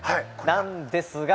なんですが。